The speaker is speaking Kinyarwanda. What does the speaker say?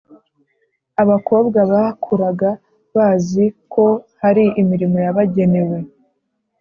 abakobwa bakuraga bazi ko hari imirimo yabagenewe.